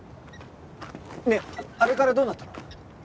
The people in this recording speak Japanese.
ねえあれからどうなったの？